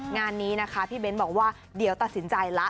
งานนี้นะคะพี่เบ้นบอกว่าเดี๋ยวตัดสินใจละ